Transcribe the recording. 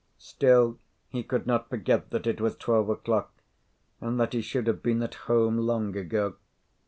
Still, he could not forget that it was twelve o'clock, and that he should have been at home long ago.